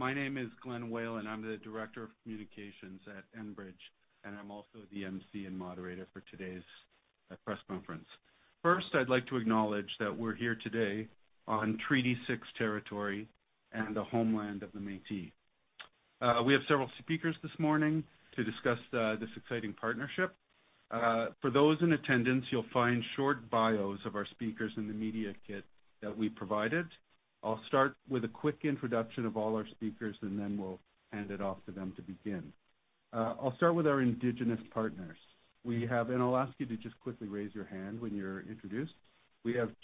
My name is Glen Whelan. I'm the Director of Communications at Enbridge, and I'm also the MC and moderator for today's press conference. First, I'd like to acknowledge that we're here today on Treaty 6 territory and the homeland of the Métis. We have several speakers this morning to discuss this exciting partnership. For those in attendance, you'll find short bios of our speakers in the media kit that we provided. I'll start with a quick introduction of all our speakers, and then we'll hand it off to them to begin. I'll start with our Indigenous partners. We have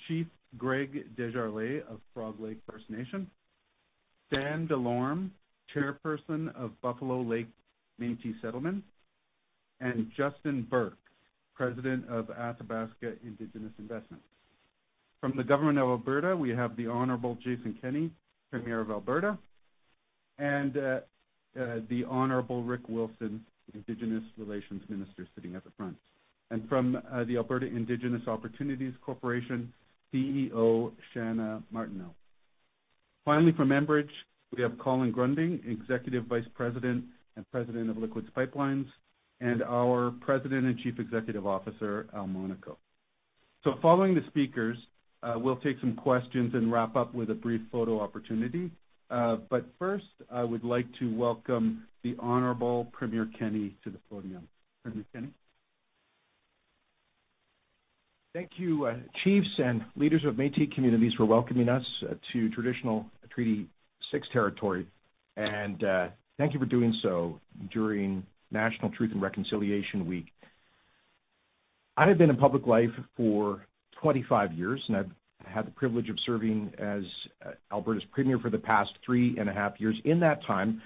Chief Greg Desjarlais of Frog Lake First Nation, Stan Delorme, Chairperson of Buffalo Lake Métis Settlement, and Justin Bourque, President of Athabasca Indigenous Investments. From the Government of Alberta, we have the Honorable Jason Kenney, Premier of Alberta, and the Honorable Rick Wilson, Indigenous Relations Minister, sitting at the front. From the Alberta Indigenous Opportunities Corporation, CEO Chana Martineau. Finally, from Enbridge, we have Colin Gruending, Executive Vice President and President of Liquids Pipelines, and our President and Chief Executive Officer, Al Monaco. Following the speakers, we'll take some questions and wrap up with a brief photo opportunity. First I would like to welcome the Honorable Premier Kenney to the podium. Premier Kenney. Thank you, chiefs and leaders of Métis communities for welcoming us to traditional Treaty 6 territory. Thank you for doing so during National Truth and Reconciliation Week. I have been in public life for 25 years, and I've had the privilege of serving as Alberta's Premier for the past 3.5 years. In that time,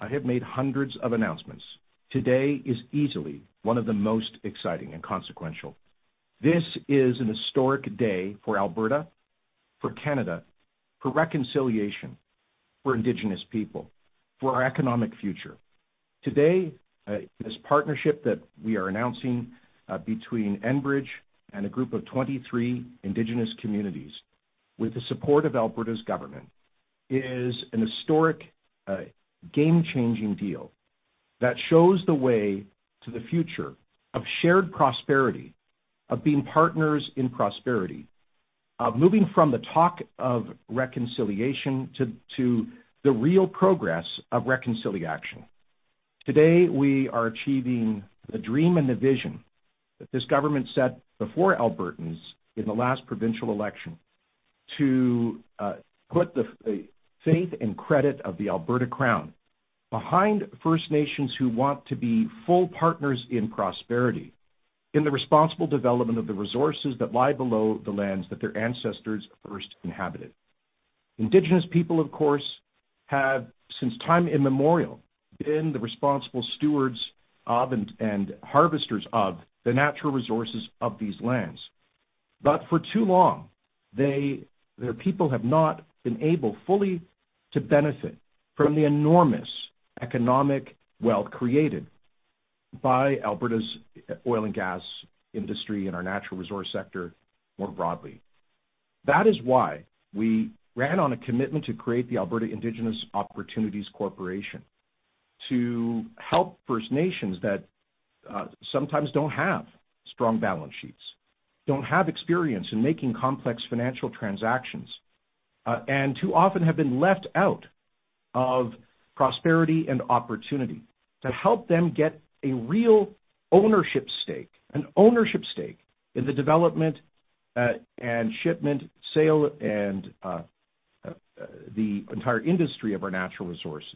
I have made hundreds of announcements. Today is easily one of the most exciting and consequential. This is an historic day for Alberta, for Canada, for reconciliation, for Indigenous people, for our economic future. Today, this partnership that we are announcing between Enbridge and a group of 23 Indigenous communities with the support of Alberta's government is an historic game changing deal that shows the way to the future of shared prosperity, of being partners in prosperity, of moving from the talk of reconciliation to the real progress of reconcili-action. Today, we are achieving the dream and the vision that this government set before Albertans in the last provincial election to put the faith and credit of the Alberta Crown behind First Nations who want to be full partners in prosperity, in the responsible development of the resources that lie below the lands that their ancestors first inhabited. Indigenous people, of course, have since time immemorial been the responsible stewards of and harvesters of the natural resources of these lands. For too long, their people have not been able fully to benefit from the enormous economic wealth created by Alberta's oil and gas industry and our natural resource sector more broadly. That is why we ran on a commitment to create the Alberta Indigenous Opportunities Corporation to help First Nations that sometimes don't have strong balance sheets, don't have experience in making complex financial transactions, and too often have been left out of prosperity and opportunity to help them get a real ownership stake in the development, and shipment, sale, and the entire industry of our natural resources.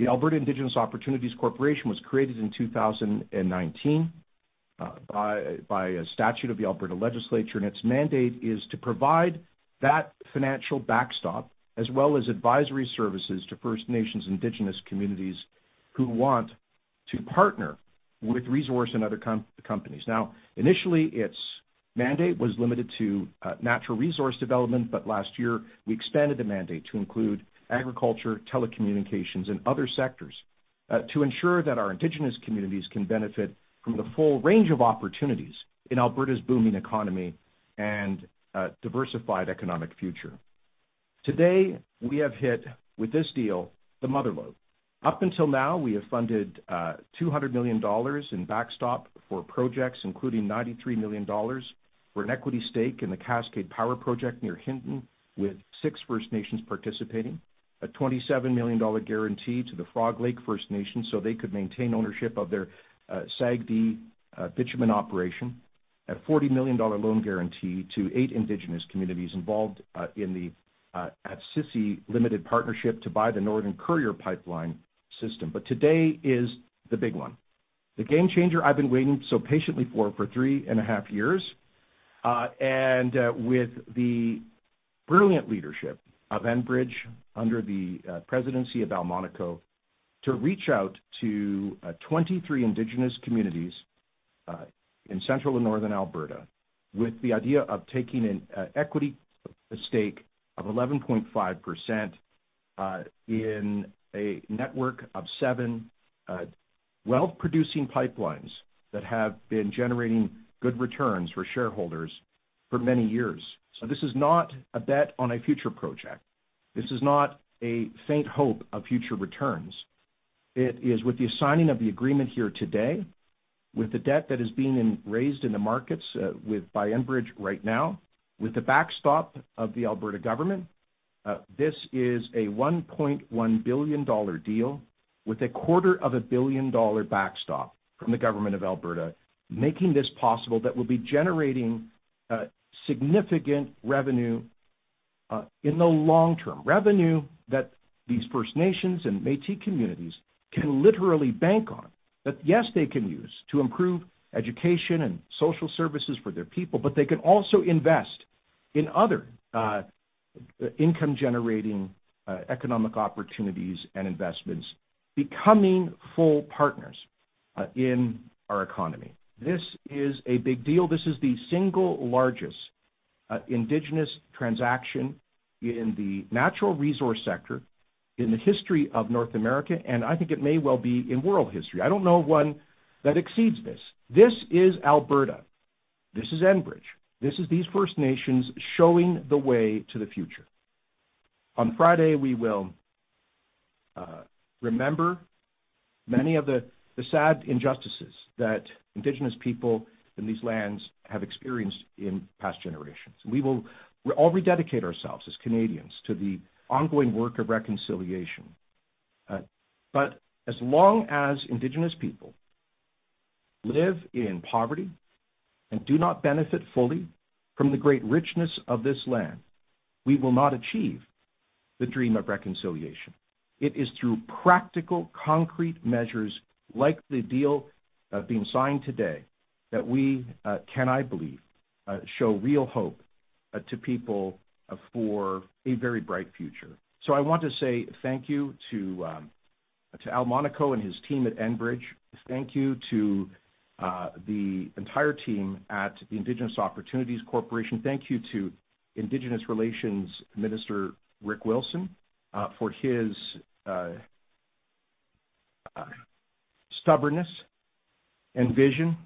The Alberta Indigenous Opportunities Corporation was created in 2019 by a statute of the Alberta Legislature. Its mandate is to provide that financial backstop as well as advisory services to First Nations indigenous communities who want to partner with resource and other companies. Now, initially, its mandate was limited to natural resource development, but last year we expanded the mandate to include agriculture, telecommunications, and other sectors to ensure that our indigenous communities can benefit from the full range of opportunities in Alberta's booming economy and a diversified economic future. Today, we have hit with this deal the motherlode. Up until now, we have funded 200 million dollars in backstop for projects, including 93 million dollars for an equity stake in the Cascade Power Project near Hinton, with six First Nations participating, a 27 million dollar guarantee to the Frog Lake First Nation so they could maintain ownership of their SAGD bitumen operation. A 40 million dollar loan guarantee to 8 Indigenous communities involved in the Astisiy Limited Partnership to buy the Northern Courier Pipeline System. Today is the big one, the game changer I've been waiting so patiently for 3.5 years. With the brilliant leadership of Enbridge under the presidency of Al Monaco, to reach out to 23 Indigenous communities in central and northern Alberta with the idea of taking an equity stake of 11.5% in a network of seven wealth producing pipelines that have been generating good returns for shareholders. For many years. This is not a bet on a future project. This is not a faint hope of future returns. It is with the signing of the agreement here today, with the debt that is being raised in the markets, with by Enbridge right now, with the backstop of the Alberta government, this is a 1.1 billion dollar deal with a CAD quarter of a billion dollar backstop from the Government of Alberta making this possible that will be generating significant revenue in the long term. Revenue that these First Nations and Métis communities can literally bank on. That, yes, they can use to improve education and social services for their people, but they can also invest in other income-generating economic opportunities and investments, becoming full partners in our economy. This is a big deal. This is the single largest Indigenous transaction in the natural resource sector in the history of North America, and I think it may well be in world history. I don't know of one that exceeds this. This is Alberta, this is Enbridge, this is these First Nations showing the way to the future. On Friday, we will remember many of the the sad injustices that Indigenous people in these lands have experienced in past generations. We will all rededicate ourselves as Canadians to the ongoing work of reconciliation. As long as Indigenous people live in poverty and do not benefit fully from the great richness of this land, we will not achieve the dream of reconciliation. It is through practical, concrete measures like the deal being signed today that we can, I believe, show real hope to people for a very bright future. I want to say thank you to Al Monaco and his team at Enbridge. Thank you to the entire team at the Indigenous Opportunities Corporation. Thank you to Indigenous Relations Minister Rick Wilson for his stubbornness and vision,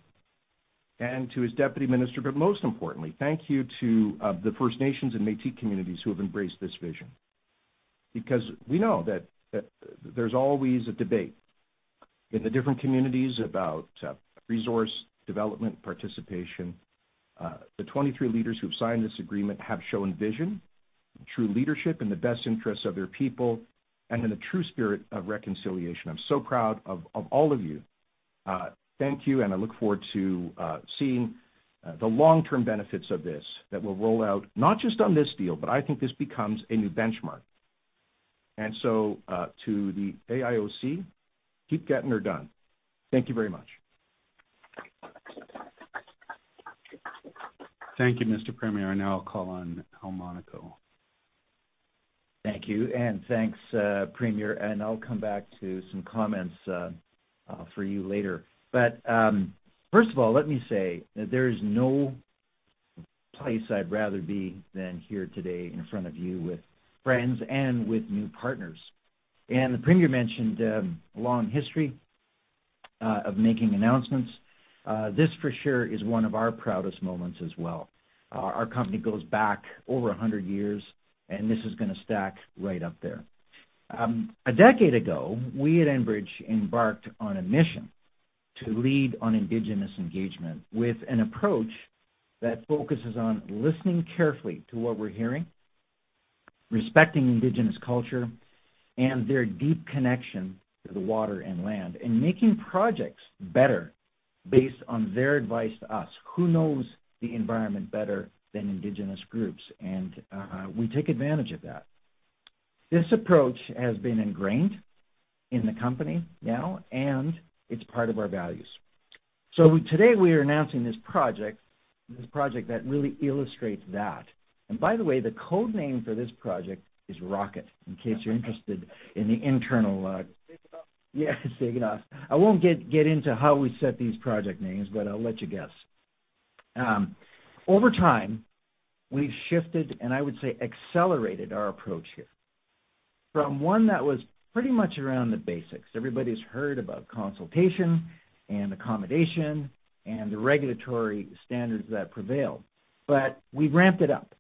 and to his deputy minister, but most importantly, thank you to the First Nations and Métis communities who have embraced this vision. Because we know that there's always a debate in the different communities about resource development participation. The 23 leaders who have signed this agreement have shown vision and true leadership in the best interests of their people and in the true spirit of reconciliation. I'm so proud of all of you. Thank you, and I look forward to seeing the long-term benefits of this that will roll out not just on this deal, but I think this becomes a new benchmark. To the AIOC, keep getting her done. Thank you very much. Thank you, Mr. Premier. I now call on Al Monaco. Thank you. Thanks, Premier, and I'll come back to some comments for you later. First of all, let me say that there is no place I'd rather be than here today in front of you with friends and with new partners. The Premier mentioned a long history of making announcements. This for sure is one of our proudest moments as well. Our company goes back over 100 years, and this is gonna stack right up there. A decade ago, we at Enbridge embarked on a mission to lead on Indigenous engagement with an approach that focuses on listening carefully to what we're hearing, respecting Indigenous culture and their deep connection to the water and land, and making projects better based on their advice to us. Who knows the environment better than Indigenous groups? We take advantage of that. This approach has been ingrained in the company now, and it's part of our values. Today, we are announcing this project that really illustrates that. By the way, the code name for this project is Rocket, in case you're interested in the internal. Sign off. Yeah, sign off. I won't get into how we set these project names, but I'll let you guess. Over time, we've shifted, and I would say accelerated our approach here from one that was pretty much around the basics. Everybody's heard about consultation and accommodation and the regulatory standards that prevail. We ramped it up.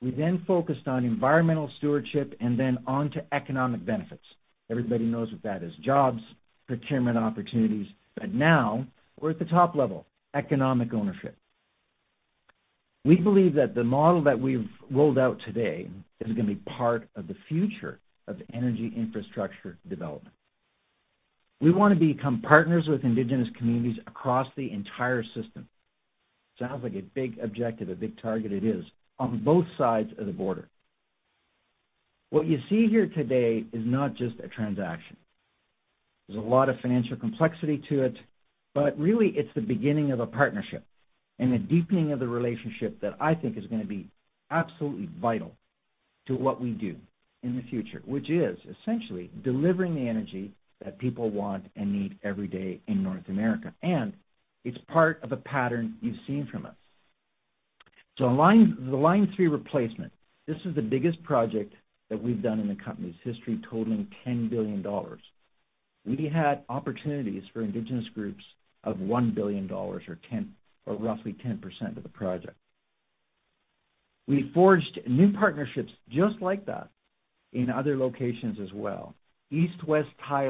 We then focused on environmental stewardship and then on to economic benefits. Everybody knows what that is, jobs, procurement opportunities. Now we're at the top level, economic ownership. We believe that the model that we've rolled out today is gonna be part of the future of energy infrastructure development. We wanna become partners with Indigenous communities across the entire system. Sounds like a big objective, a big target. It is. On both sides of the border. What you see here today is not just a transaction. There's a lot of financial complexity to it, but really, it's the beginning of a partnership and a deepening of the relationship that I think is gonna be absolutely vital to what we do in the future, which is essentially delivering the energy that people want and need every day in North America, and it's part of a pattern you've seen from us. Line 3 Replacement, this is the biggest project that we've done in the company's history, totaling 10 billion dollars. We had opportunities for Indigenous groups of 1 billion dollars or 10 or roughly 10% of the project. We forged new partnerships just like that in other locations as well. East-West Tie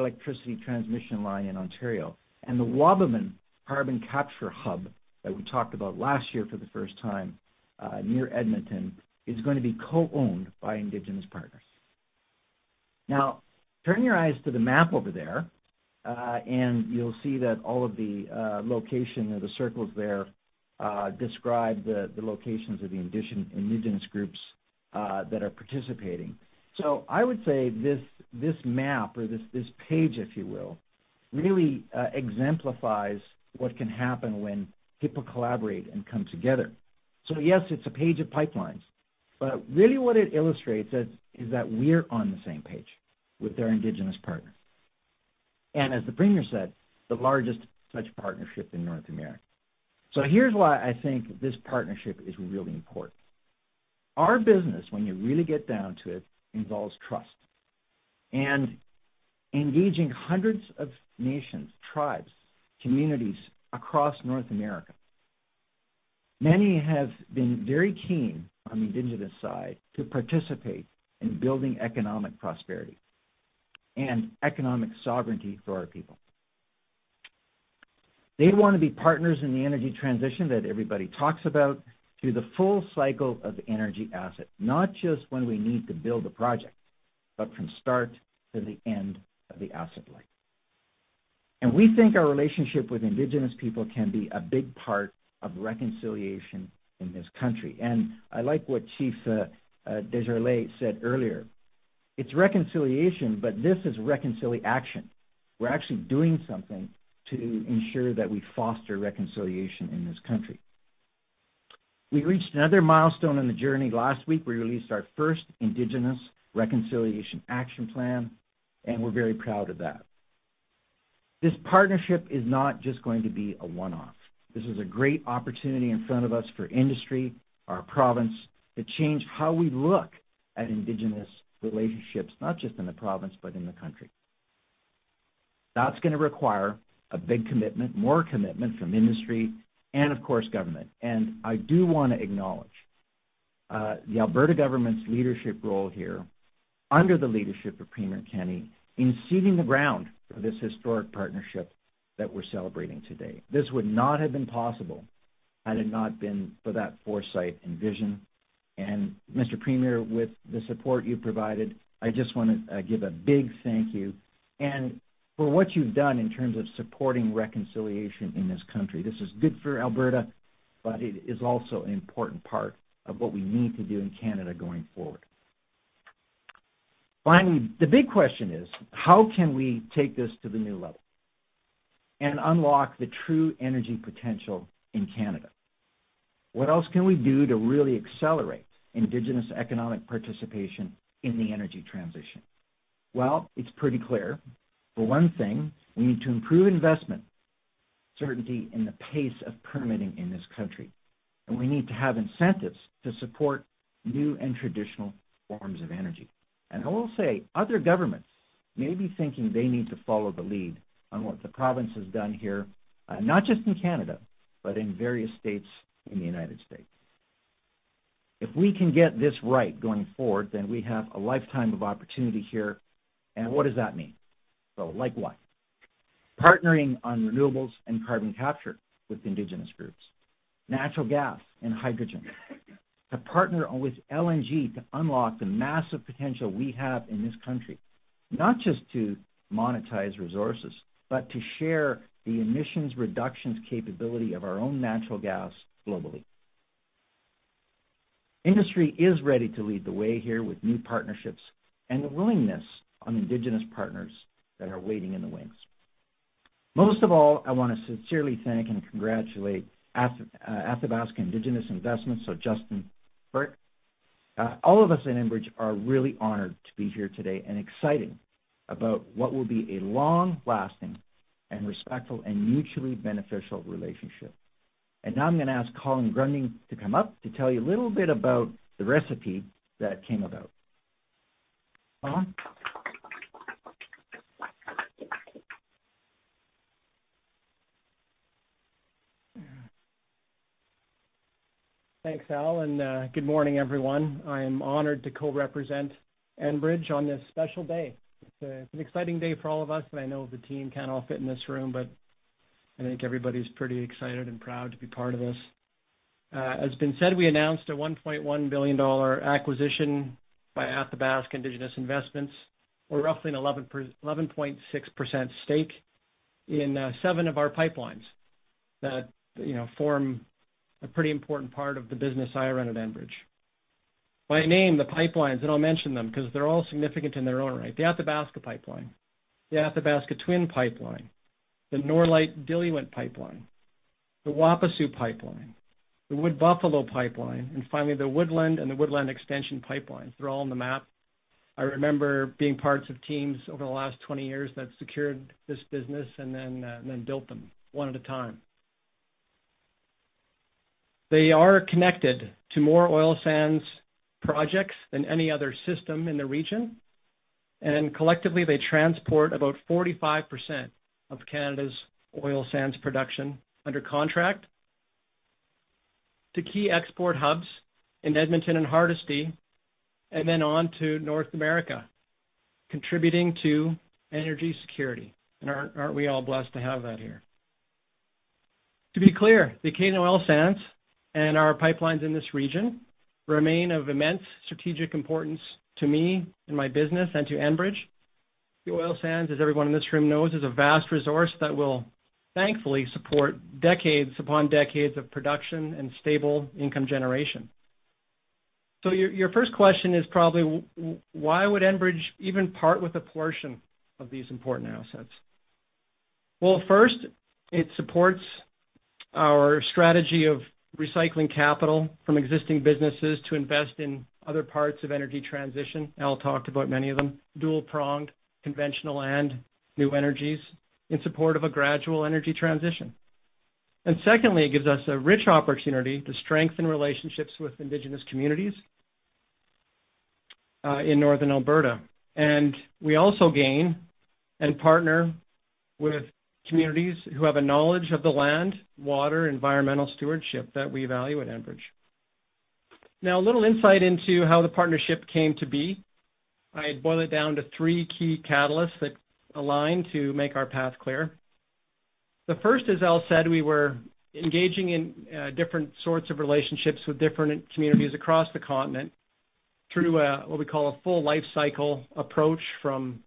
Transmission Line in Ontario and the Wabamun Carbon Hub that we talked about last year for the first time, near Edmonton is going to be co-owned by Indigenous partners. Now, turn your eyes to the map over there, and you'll see that all of the locations or the circles there describe the locations of the Indigenous groups that are participating. I would say this map or this page, if you will, really exemplifies what can happen when people collaborate and come together. Yes, it's a page of pipelines, but really what it illustrates is that we're on the same page with our Indigenous partners. As the Premier said, the largest such partnership in North America. Here's why I think this partnership is really important. Our business, when you really get down to it, involves trust and engaging hundreds of nations, tribes, communities across North America. Many have been very keen on the Indigenous side to participate in building economic prosperity and economic sovereignty for our people. They wanna be partners in the energy transition that everybody talks about through the full cycle of energy asset, not just when we need to build a project, but from start to the end of the asset life. We think our relationship with Indigenous people can be a big part of reconciliation in this country. I like what Chief Desjarlais said earlier. It's reconciliation, but this is reconcili-action. We're actually doing something to ensure that we foster reconciliation in this country. We reached another milestone in the journey last week. We released our first Indigenous reconciliation action plan, and we're very proud of that. This partnership is not just going to be a one-off. This is a great opportunity in front of us for industry, our province, to change how we look at Indigenous relationships, not just in the province, but in the country. That's gonna require a big commitment, more commitment from industry and of course, government. I do wanna acknowledge the Alberta government's leadership role here under the leadership of Premier Kenney in seeding the ground for this historic partnership that we're celebrating today. This would not have been possible had it not been for that foresight and vision. Mr. Premier, with the support you provided, I just wanna give a big thank you. For what you've done in terms of supporting reconciliation in this country, this is good for Alberta, but it is also an important part of what we need to do in Canada going forward. Finally, the big question is. How can we take this to the new level and unlock the true energy potential in Canada? What else can we do to really accelerate Indigenous economic participation in the energy transition? Well, it's pretty clear. For one thing, we need to improve investment certainty in the pace of permitting in this country. We need to have incentives to support new and traditional forms of energy. I will say, other governments may be thinking they need to follow the lead on what the province has done here, not just in Canada, but in various states in the United States. If we can get this right going forward, then we have a lifetime of opportunity here. What does that mean? Like what? Partnering on renewables and carbon capture with Indigenous groups, natural gas and hydrogen. To partner with LNG to unlock the massive potential we have in this country, not just to monetize resources, but to share the emissions reductions capability of our own natural gas globally. Industry is ready to lead the way here with new partnerships and the willingness on Indigenous partners that are waiting in the wings. Most of all, I wanna sincerely thank and congratulate Athabasca Indigenous Investments, so Justin Bourque. All of us at Enbridge are really honored to be here today and excited about what will be a long-lasting and respectful and mutually beneficial relationship. Now I'm gonna ask Colin Gruending to come up to tell you a little bit about the recipe that came about. Colin? Thanks, Al, and good morning, everyone. I am honored to co-represent Enbridge on this special day. It's an exciting day for all of us, and I know the team can't all fit in this room, but I think everybody's pretty excited and proud to be part of this. As has been said, we announced a 1.1 billion dollar acquisition by Athabasca Indigenous Investments for roughly 11.6% stake in seven of our pipelines that, you know, form a pretty important part of the business I run at Enbridge. By name, the pipelines, and I'll mention them 'cause they're all significant in their own right. The Athabasca Pipeline, the Athabasca Pipeline Twin, the Norlite Diluent Pipeline, the Wapisiw Pipeline, the Wood Buffalo Pipeline, and finally, the Woodland Pipeline and the Woodland Pipeline Extension. They're all on the map. I remember being parts of teams over the last 20 years that secured this business and then built them one at a time. They are connected to more oil sands projects than any other system in the region. Collectively, they transport about 45% of Canada's oil sands production under contract to key export hubs in Edmonton and Hardisty, and then on to North America, contributing to energy security. Aren't we all blessed to have that here? To be clear, the Canadian oil sands and our pipelines in this region remain of immense strategic importance to me and my business and to Enbridge. The oil sands, as everyone in this room knows, is a vast resource that will thankfully support decades upon decades of production and stable income generation. Your first question is probably why would Enbridge even part with a portion of these important assets? Well, first, it supports our strategy of recycling capital from existing businesses to invest in other parts of energy transition. Al talked about many of them, dual-pronged, conventional and new energies in support of a gradual energy transition. Secondly, it gives us a rich opportunity to strengthen relationships with Indigenous communities in Northern Alberta. We also gain and partner with communities who have a knowledge of the land, water, environmental stewardship that we value at Enbridge. Now, a little insight into how the partnership came to be. I boil it down to three key catalysts that align to make our path clear. The first, as Al said, we were engaging in different sorts of relationships with different communities across the continent through what we call a full lifecycle approach from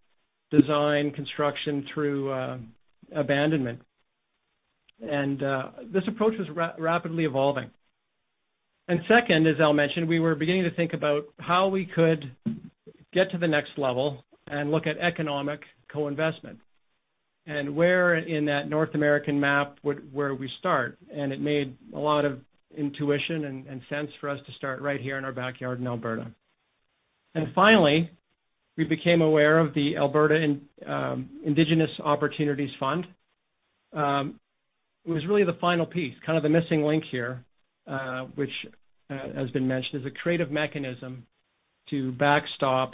design, construction through abandonment. This approach was rapidly evolving. Second, as Al mentioned, we were beginning to think about how we could get to the next level and look at economic co-investment. Where in that North American map would we start, and it made a lot of intuitive sense for us to start right here in our backyard in Alberta. Finally, we became aware of the Alberta Indigenous Opportunities Corporation. It was really the final piece, kind of the missing link here, which has been mentioned as a creative mechanism to backstop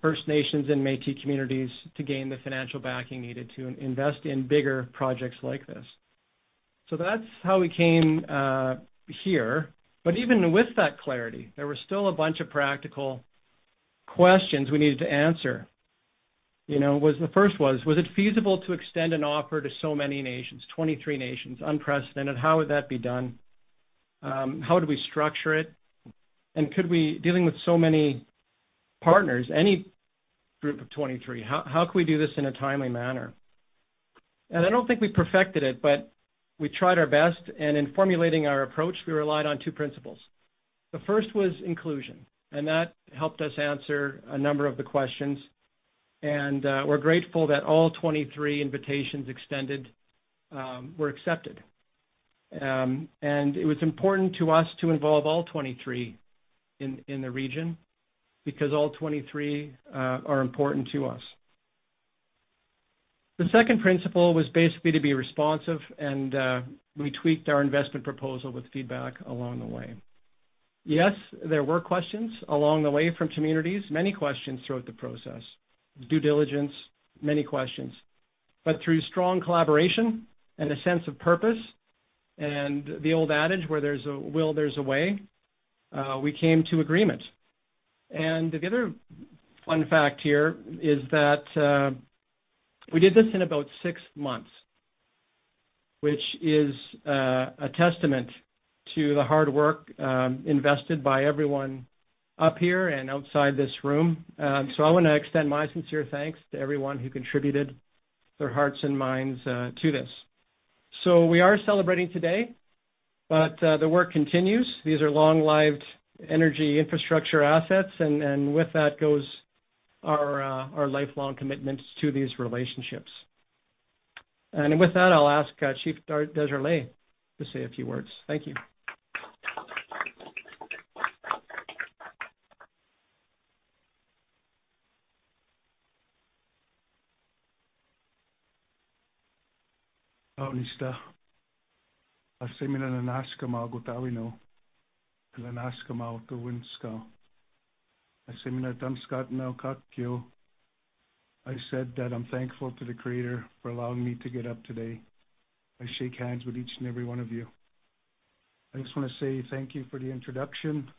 First Nations and Métis communities to gain the financial backing needed to invest in bigger projects like this. That's how we came here. Even with that clarity, there were still a bunch of practical questions we needed to answer. You know, the first was it feasible to extend an offer to so many nations, 23 nations, unprecedented? How would that be done? How do we structure it? Could we, dealing with so many partners, any group of 23, how could we do this in a timely manner? I don't think we perfected it, but we tried our best. In formulating our approach, we relied on two principles. The first was inclusion, and that helped us answer a number of the questions. We're grateful that all 23 invitations extended were accepted. It was important to us to involve all 23 in the region because all 23 are important to us. The second principle was basically to be responsive and we tweaked our investment proposal with feedback along the way. Yes, there were questions along the way from communities, many questions throughout the process. Due diligence, many questions. Through strong collaboration and a sense of purpose, and the old adage, where there's a will, there's a way, we came to agreement. The other fun fact here is that we did this in about six months, which is a testament to the hard work invested by everyone up here and outside this room. I wanna extend my sincere thanks to everyone who contributed their hearts and minds to this. We are celebrating today, but the work continues. These are long-lived energy infrastructure assets, and with that goes our lifelong commitments to these relationships. With that, I'll ask Chief Desjarlais to say a few words. Thank you. I said that I'm thankful to the Creator for allowing me to get up today. I shake hands with each and every one of you. I just wanna say thank you for the introduction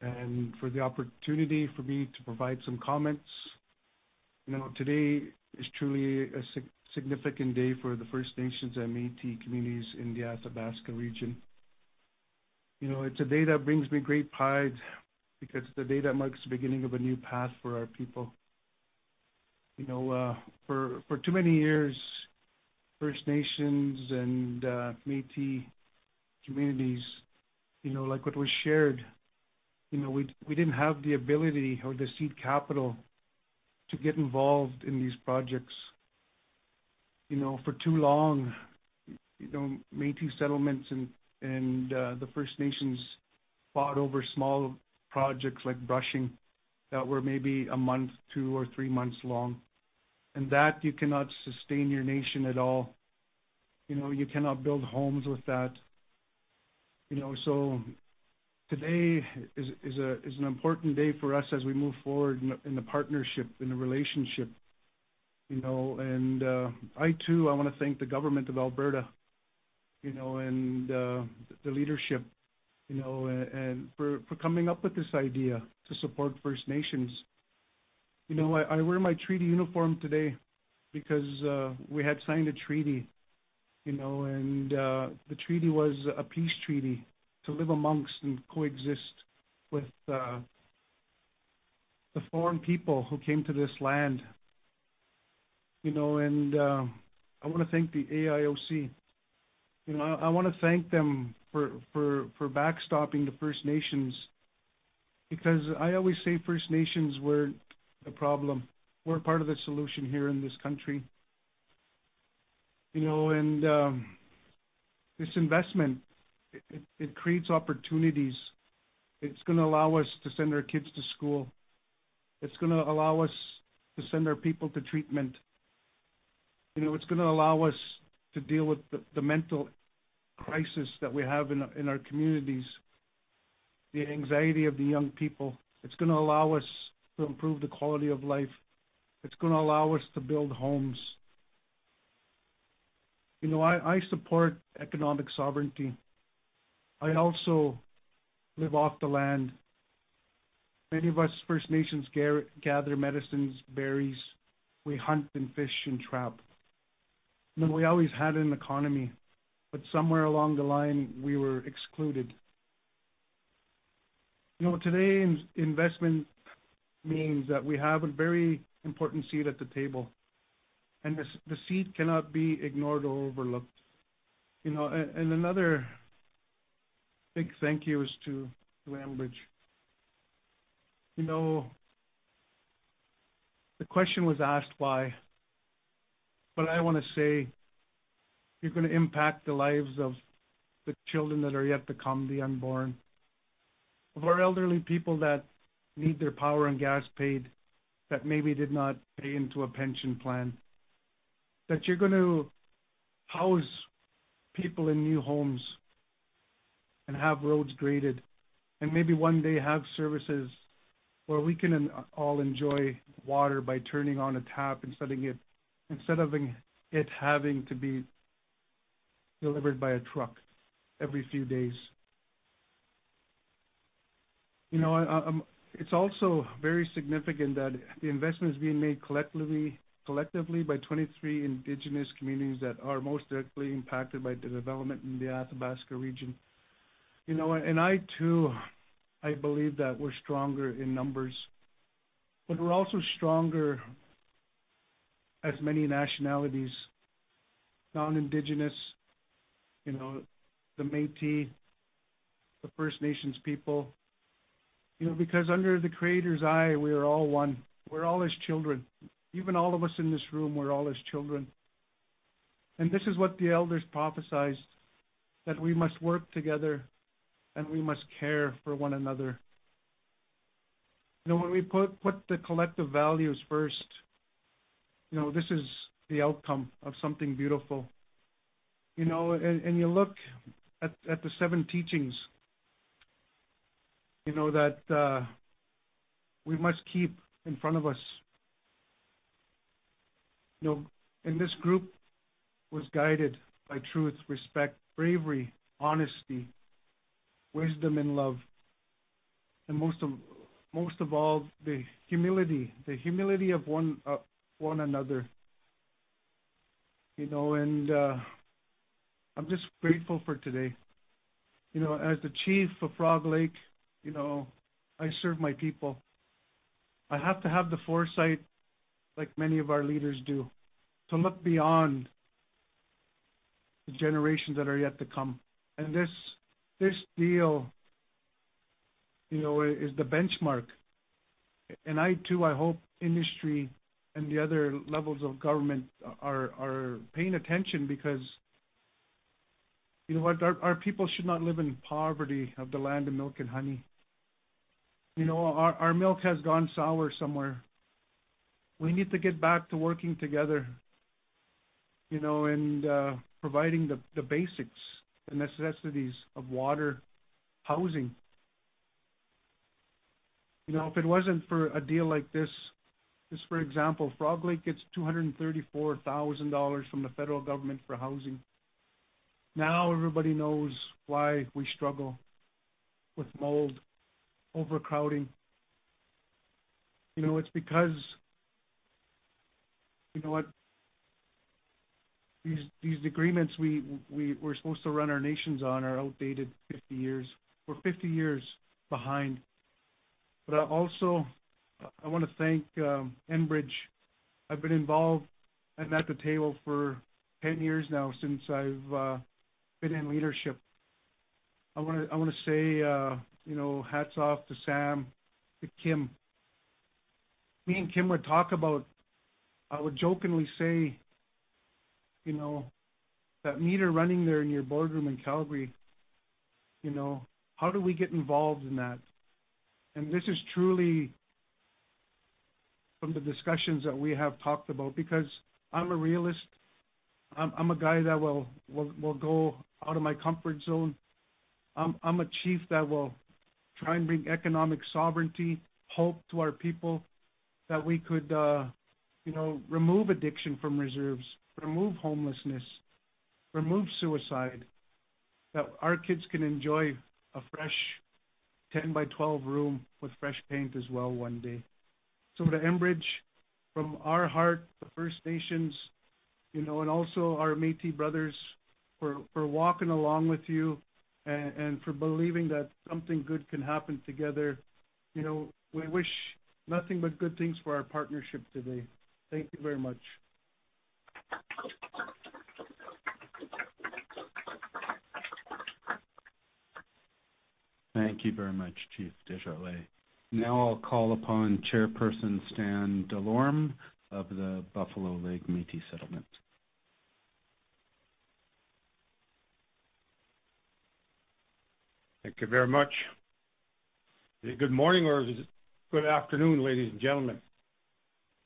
and for the opportunity for me to provide some comments. You know, today is truly a significant day for the First Nations and Métis communities in the Athabasca region. You know, it's a day that brings me great pride because it's the day that marks the beginning of a new path for our people. You know, for too many years, First Nations and Métis communities, you know, like what was shared, you know, we didn't have the ability or the seed capital to get involved in these projects. You know, for too long, you know, Métis settlements and the First Nations fought over small projects like brushing that were maybe a month, two or three months long. That you cannot sustain your nation at all. You know, you cannot build homes with that. You know, today is an important day for us as we move forward in the partnership, in the relationship, you know. I too wanna thank the government of Alberta, you know, and the leadership, you know, and for coming up with this idea to support First Nations. You know, I wear my treaty uniform today because we had signed a treaty, you know. The treaty was a peace treaty to live amongst and coexist with the foreign people who came to this land. You know, I wanna thank the AIOC. You know, I wanna thank them for backstopping the First Nations because I always say First Nations, we're the problem. We're part of the solution here in this country. You know, this investment, it creates opportunities. It's gonna allow us to send our kids to school. It's gonna allow us to send our people to treatment. You know, it's gonna allow us to deal with the mental crisis that we have in our communities, the anxiety of the young people. It's gonna allow us to improve the quality of life. It's gonna allow us to build homes. You know, I support economic sovereignty. I also live off the land. Many of us First Nations gather medicines, berries. We hunt and fish and trap. You know, we always had an economy, but somewhere along the line we were excluded. You know, today's investment means that we have a very important seat at the table, and the seat cannot be ignored or overlooked. You know, and another big thank you is to Enbridge. You know, the question was asked why, but I wanna say you're gonna impact the lives of the children that are yet to come, the unborn. Of our elderly people that need their power and gas paid that maybe did not pay into a pension plan. That you're going to house people in new homes and have roads graded, and maybe one day have services where we can all enjoy water by turning on a tap instead of it having to be delivered by a truck every few days. You know, it's also very significant that the investment is being made collectively by 23 Indigenous communities that are most directly impacted by the development in the Athabasca region. You know, I too, I believe that we're stronger in numbers, but we're also stronger as many nationalities, non-Indigenous, you know, the Métis, the First Nations people. You know, because under the Creator's eye, we are all one. We're all His children. Even all of us in this room, we're all His children. This is what the elders prophesied, that we must work together, and we must care for one another. You know, when we put the collective values first, you know, this is the outcome of something beautiful. You know, you look at the seven teachings, you know, that we must keep in front of us. You know, this group was guided by truth, respect, bravery, honesty, wisdom and love, and most of all, the humility of one another. You know, I'm just grateful for today. You know, as the Chief of Frog Lake, you know, I serve my people. I have to have the foresight, like many of our leaders do, to look beyond the generations that are yet to come. This deal, you know, is the benchmark. I too hope industry and the other levels of government are paying attention because you know what? Our people should not live in poverty of the land of milk and honey. You know, our milk has gone sour somewhere. We need to get back to working together, you know, providing the basics, the necessities of water, housing. You know, if it wasn't for a deal like this. Just for example, Frog Lake gets 234,000 dollars from the federal government for housing. Now everybody knows why we struggle with mold, overcrowding. You know, it's because, you know what? These agreements we're supposed to run our nations on are outdated 50 years. We're 50 years behind. I also wanna thank Enbridge. I've been involved and at the table for 10 years now since I've been in leadership. I wanna say, you know, hats off to Sam, to Kim. Me and Kim would talk about. I would jokingly say, you know, that meter running there in your boardroom in Calgary, you know, how do we get involved in that? This is truly from the discussions that we have talked about, because I'm a realist. I'm a guy that will go out of my comfort zone. I'm a chief that will try and bring economic sovereignty, hope to our people, that we could, you know, remove addiction from reserves, remove homelessness, remove suicide. That our kids can enjoy a fresh 10 by 12 room with fresh paint as well one day. To Enbridge, from our heart, the First Nations, you know, and also our Métis brothers for walking along with you and for believing that something good can happen together. You know, we wish nothing but good things for our partnership today. Thank you very much. Thank you very much, Chief Desjarlais. Now I'll call upon Chairperson Stan Delorme of the Buffalo Lake Métis Settlement. Thank you very much. Is it good morning or is it good afternoon, ladies and gentlemen?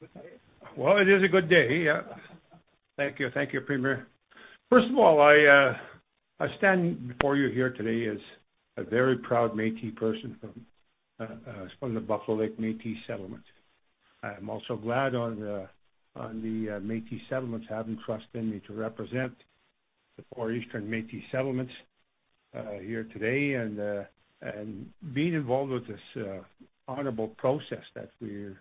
Good day. Well, it is a good day. Yeah. Thank you. Thank you, Premier. First of all, I stand before you here today as a very proud Métis person from the Buffalo Lake Métis Settlement. I am also glad on the Métis settlements having trust in me to represent the four eastern Métis settlements here today and being involved with this honorable process that we're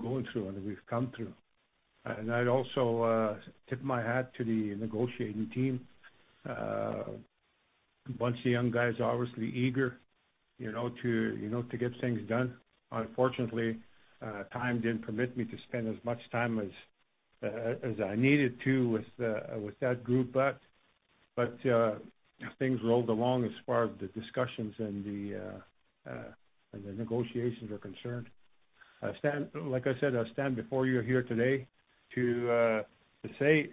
going through, and we've come through. I'd also tip my hat to the negotiating team. A bunch of young guys, obviously eager, you know, to get things done. Unfortunately, time didn't permit me to spend as much time as I needed to with that group. Things rolled along as far as the discussions and the negotiations are concerned. Like I said, I stand before you here today to say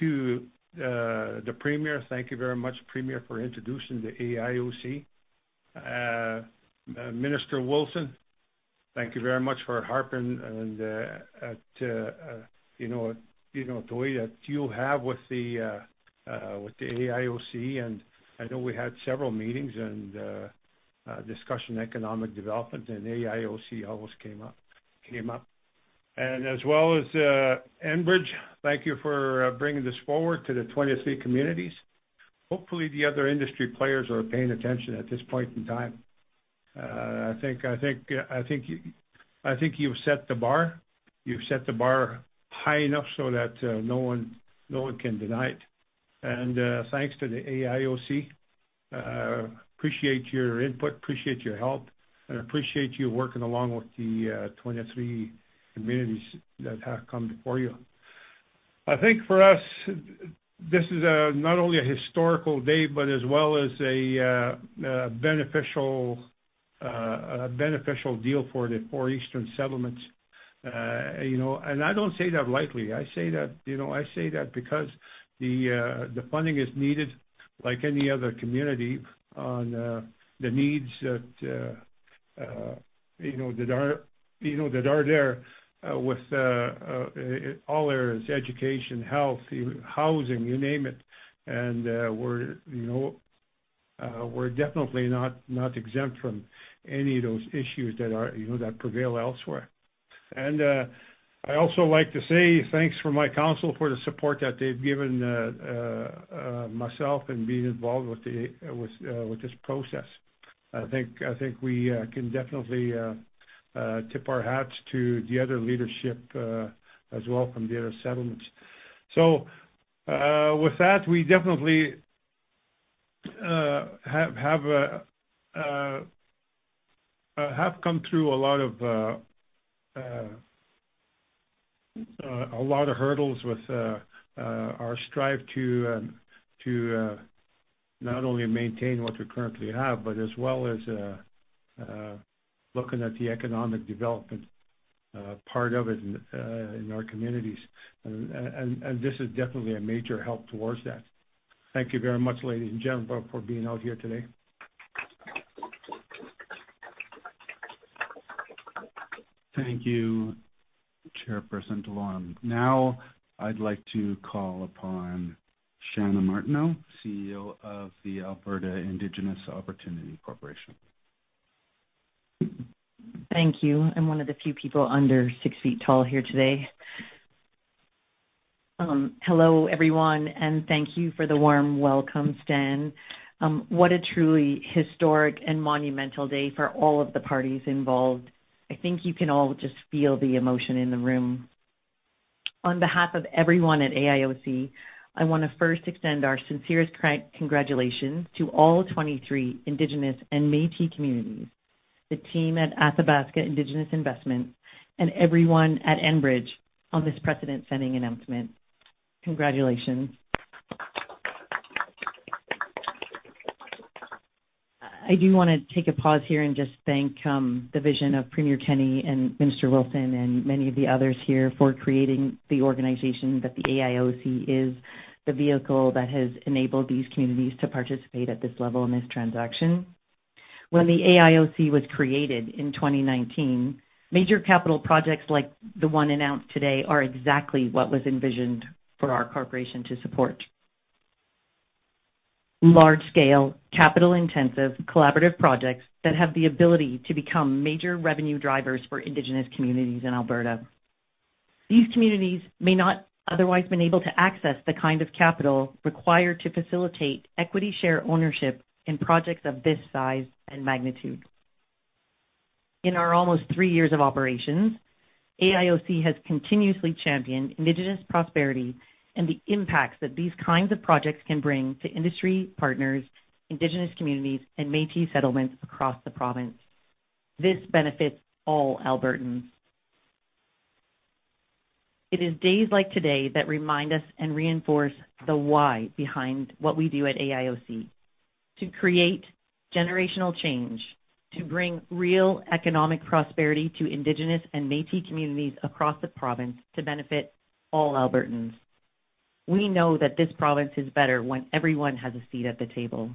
to the Premier, thank you very much, Premier, for introducing the AIOC. Minister Wilson, thank you very much for harping and to you know the way that you have with the AIOC, and I know we had several meetings and discussion economic development and AIOC always came up. As well as Enbridge, thank you for bringing this forward to the 23 communities. Hopefully, the other industry players are paying attention at this point in time. I think you've set the bar. You've set the bar high enough so that, no one can deny it. Thanks to the AIOC, appreciate your input, appreciate your help, and appreciate you working along with the, 23 communities that have come before you. I think for us, this is, not only a historical day, but as well as a, beneficial deal for the four eastern settlements. You know, I don't say that lightly. I say that because the funding is needed like any other community on, the needs that, you know, that are, you know, that are there, with in all areas, education, health, even housing, you name it. We're, you know, definitely not exempt from any of those issues that are, you know, that prevail elsewhere. I also like to say thanks for my council for the support that they've given myself and being involved with this process. I think we can definitely tip our hats to the other leadership as well from the other settlements. With that, we definitely have come through a lot of hurdles with our strive to not only maintain what we currently have, but as well as looking at the economic development part of it in our communities. This is definitely a major help towards that. Thank you very much, ladies and gentlemen, for being out here today. Thank you, Chairperson Delorme. Now I'd like to call upon Chana Martineau, CEO of the Alberta Indigenous Opportunities Corporation. Thank you. I'm one of the few people under six feet tall here today. Hello, everyone, and thank you for the warm welcome, Stan. What a truly historic and monumental day for all of the parties involved. I think you can all just feel the emotion in the room. On behalf of everyone at AIOC, I wanna first extend our sincerest congratulations to all 23 Indigenous and Métis communities, the team at Athabasca Indigenous Investments, and everyone at Enbridge on this precedent-setting announcement. Congratulations. I do wanna take a pause here and just thank the vision of Premier Kenney and Minister Wilson and many of the others here for creating the organization that the AIOC is the vehicle that has enabled these communities to participate at this level in this transaction. When the AIOC was created in 2019, major capital projects like the one announced today are exactly what was envisioned for our corporation to support. Large-scale, capital-intensive, collaborative projects that have the ability to become major revenue drivers for Indigenous communities in Alberta. These communities may not otherwise been able to access the kind of capital required to facilitate equity share ownership in projects of this size and magnitude. In our almost three years of operations, AIOC has continuously championed Indigenous prosperity and the impacts that these kinds of projects can bring to industry partners, Indigenous communities, and Métis settlements across the province. This benefits all Albertans. It is days like today that remind us and reinforce the why behind what we do at AIOC, to create generational change, to bring real economic prosperity to Indigenous and Métis communities across the province to benefit all Albertans. We know that this province is better when everyone has a seat at the table,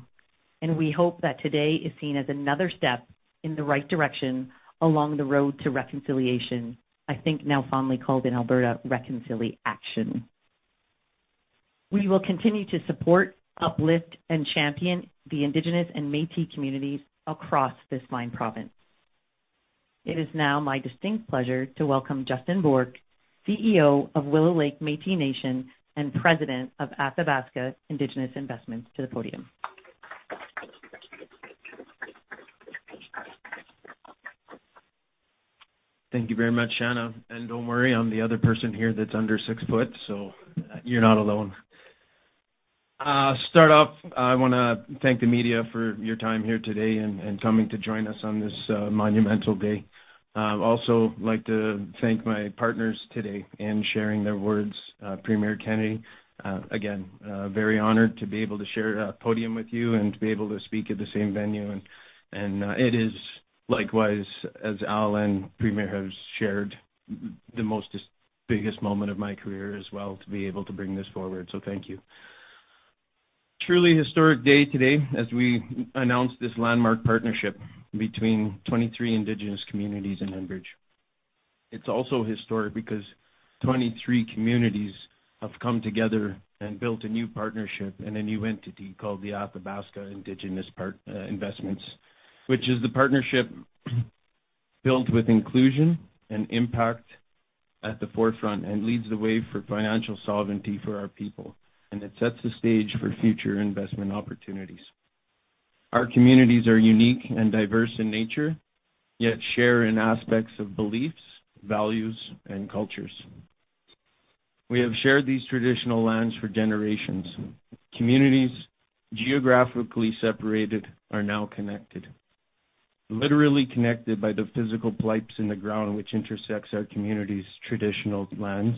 and we hope that today is seen as another step in the right direction along the road to reconciliation. I think now fondly called in Alberta reconcili-action. We will continue to support, uplift, and champion the Indigenous and Métis communities across this fine province. It is now my distinct pleasure to welcome Justin Bourque, CEO of Willow Lake Métis Nation and President of Athabasca Indigenous Investments, to the podium. Thank you very much, Chana, and don't worry, I'm the other person here that's under six foot, so you're not alone. Start off, I wanna thank the media for your time here today and coming to join us on this monumental day. Also like to thank my partners today in sharing their words, Premier Kenney, again, very honored to be able to share a podium with you and to be able to speak at the same venue. It is likewise, as Al and Premier have shared, the most biggest moment of my career as well to be able to bring this forward, so thank you. Truly historic day today as we announce this landmark partnership between 23 Indigenous communities and Enbridge. It's also historic because 23 communities have come together and built a new partnership and a new entity called the Athabasca Indigenous Investments, which is the partnership built with inclusion and impact at the forefront and leads the way for financial sovereignty for our people, and it sets the stage for future investment opportunities. Our communities are unique and diverse in nature, yet share in aspects of beliefs, values, and cultures. We have shared these traditional lands for generations. Communities geographically separated are now connected, literally connected by the physical pipes in the ground which intersects our communities' traditional lands,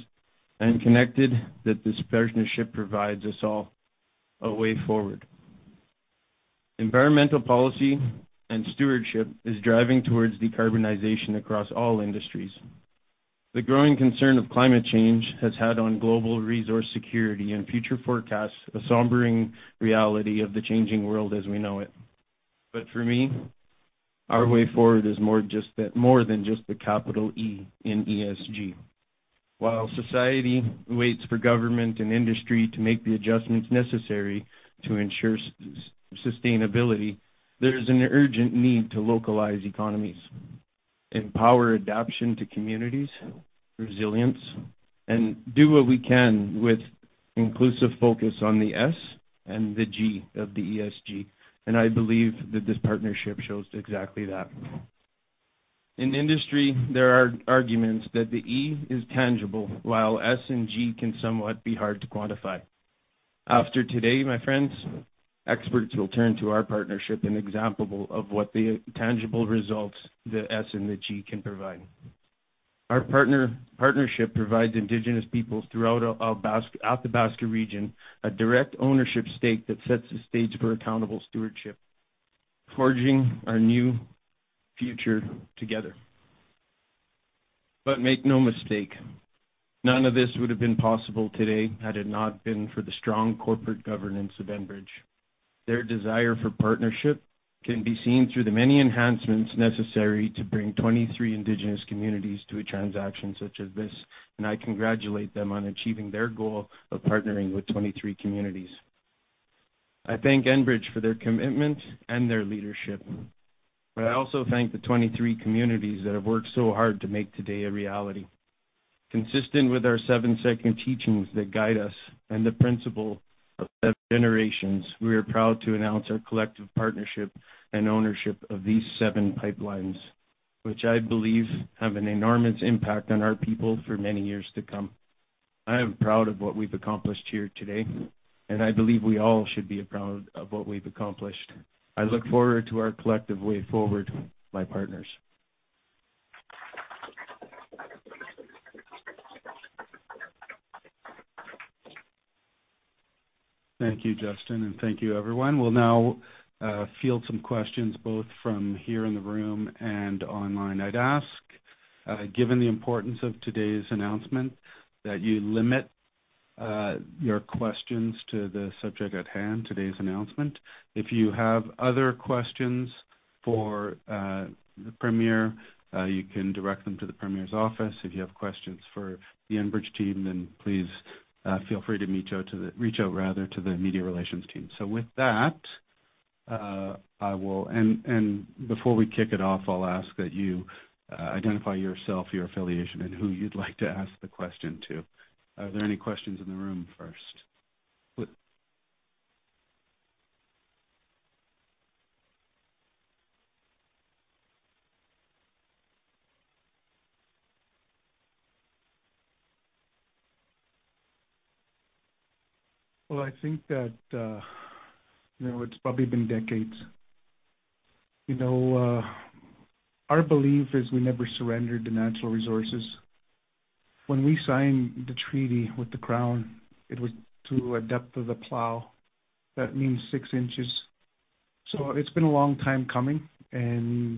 and the connection that this partnership provides us all a way forward. Environmental policy and stewardship is driving towards decarbonization across all industries. The growing concern of climate change has had on global resource security and future forecasts, a sobering reality of the changing world as we know it. For me, our way forward is more just that, more than just the capital E in ESG. While society waits for government and industry to make the adjustments necessary to ensure sustainability, there is an urgent need to localize economies, empower adaptation to communities, resilience, and do what we can with inclusive focus on the S and the G of the ESG. I believe that this partnership shows exactly that. In industry, there are arguments that the E is tangible, while S and G can somewhat be hard to quantify. After today, my friends, experts will turn to our partnership and example of what the tangible results the S and the G can provide. Our partnership provides Indigenous peoples throughout Athabasca region, a direct ownership stake that sets the stage for accountable stewardship, forging our new future together. Make no mistake, none of this would have been possible today had it not been for the strong corporate governance of Enbridge. Their desire for partnership can be seen through the many enhancements necessary to bring 23 Indigenous communities to a transaction such as this, and I congratulate them on achieving their goal of partnering with 23 communities. I thank Enbridge for their commitment and their leadership, but I also thank the 23 communities that have worked so hard to make today a reality. Consistent with our Seven Sacred Teachings that guide us and the principle of seven generations, we are proud to announce our collective partnership and ownership of these seven pipelines, which I believe have an enormous impact on our people for many years to come. I am proud of what we've accomplished here today, and I believe we all should be proud of what we've accomplished. I look forward to our collective way forward, my partners. Thank you, Justin, and thank you everyone. We'll now field some questions both from here in the room and online. I'd ask, given the importance of today's announcement, that you limit your questions to the subject at hand, today's announcement. If you have other questions for the Premier, you can direct them to the Premier's office. If you have questions for the Enbridge team, then please feel free to reach out rather to the media relations team. With that, before we kick it off, I'll ask that you identify yourself, your affiliation, and who you'd like to ask the question to. Are there any questions in the room first? Please. Well, I think that, you know, it's probably been decades. You know, our belief is we never surrendered the natural resources. When we signed the treaty with the Crown, it was to a depth of the plow. That means six inches. It's been a long time coming and,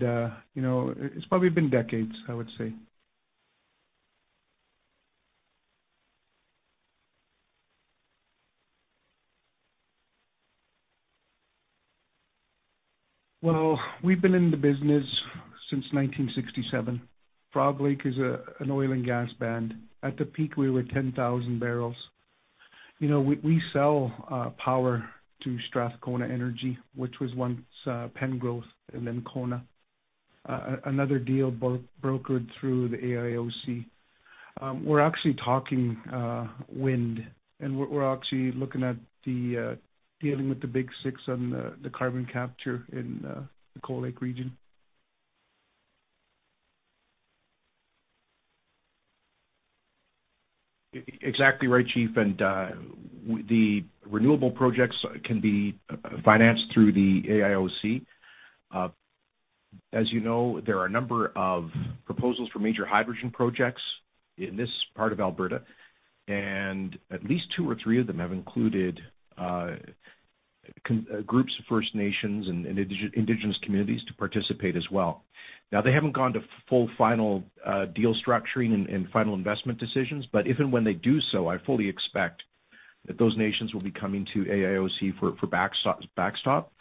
you know, it's probably been decades, I would say. Well, we've been in the business since 1967. Frog Lake is an oil and gas band. At the peak, we were 10,000 barrels. You know, we sell power to Strathcona Resources, which was once Pengrowth and then Cona. Another deal brokered through the AIOC. We're actually talking wind, and we're actually looking at dealing with the Big Six on the carbon capture in the Cold Lake region. Exactly right, Chief. The renewable projects can be financed through the AIOC. As you know, there are a number of proposals for major hydrogen projects in this part of Alberta, and at least two or three of them have included groups of First Nations and Indigenous communities to participate as well. Now, they haven't gone to full final deal structuring and final investment decisions, but if and when they do so, I fully expect that those nations will be coming to AIOC for backstop.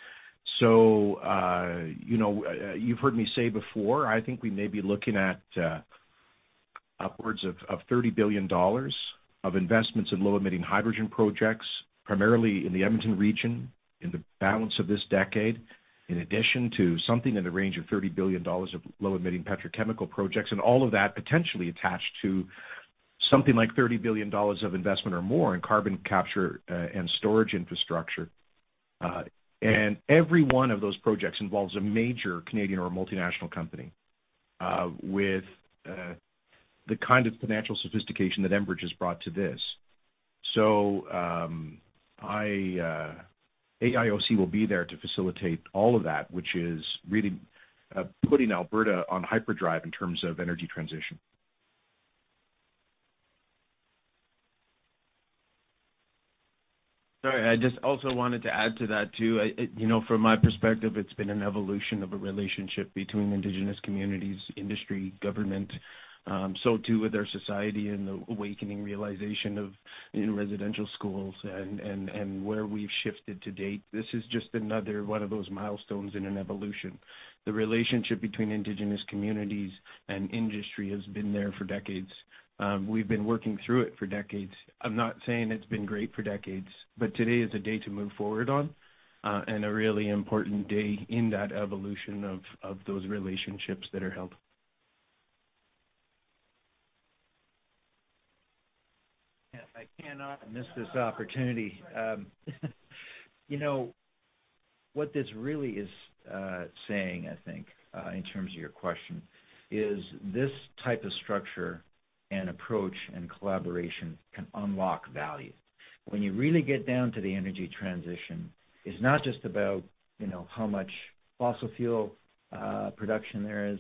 You know, you've heard me say before, I think we may be looking at upwards of 30 billion dollars of investments in low-emitting hydrogen projects, primarily in the Edmonton region, in the balance of this decade, in addition to something in the range of 30 billion dollars of low-emitting petrochemical projects, and all of that potentially attached to something like 30 billion dollars of investment or more in carbon capture and storage infrastructure. Every one of those projects involves a major Canadian or multinational company with the kind of financial sophistication that Enbridge has brought to this. AIOC will be there to facilitate all of that, which is really putting Alberta on hyperdrive in terms of energy transition. Sorry, I just also wanted to add to that, too. You know, from my perspective, it's been an evolution of a relationship between Indigenous communities, industry, government, so too with our society and the awakening realization of in residential schools and where we've shifted to date. This is just another one of those milestones in an evolution. The relationship between Indigenous communities and industry has been there for decades. We've been working through it for decades. I'm not saying it's been great for decades, but today is a day to move forward on, and a really important day in that evolution of those relationships that are held. Yes, I cannot miss this opportunity. You know, what this really is saying, I think, in terms of your question is this type of structure and approach and collaboration can unlock value. When you really get down to the energy transition, it's not just about, you know, how much fossil fuel production there is.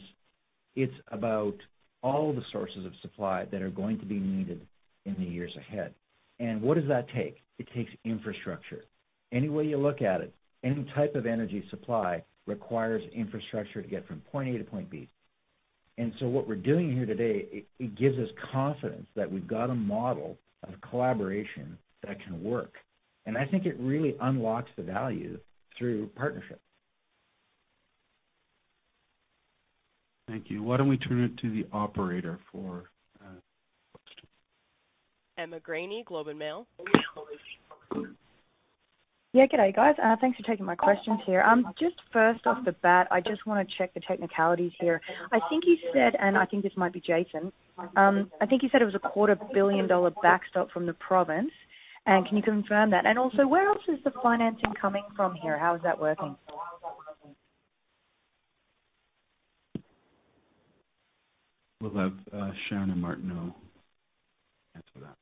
It's about all the sources of supply that are going to be needed in the years ahead. What does that take? It takes infrastructure. Any way you look at it, any type of energy supply requires infrastructure to get from point A to point B. What we're doing here today, it gives us confidence that we've got a model of collaboration that can work. I think it really unlocks the value through partnerships. Thank you. Why don't we turn it to the operator for questions. Emma Graney, Globe and Mail. Please, Globe and Mail. Yeah, good day, guys. Thanks for taking my questions here. Just first off the bat, I just wanna check the technicalities here. I think you said, and I think this might be Jason. I think you said it was a CAD quarter billion dollar backstop from the province. Can you confirm that? Also, where else is the financing coming from here? How is that working? We'll have, Chana Martineau answer that.